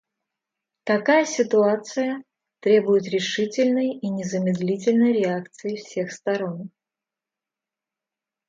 Такая ситуация требует решительной и незамедлительной реакции всех сторон.